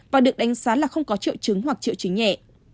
và được đánh giá là không có triệu chứng hoặc triệu chứng nhẹ